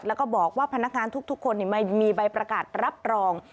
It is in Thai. แล้วก็บอกว่าพนักงานทุกคนไม่มีใบประกาศรับรอง